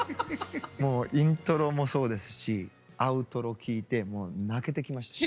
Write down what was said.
もうイントロもそうですしアウトロ聴いてもう泣けてきました。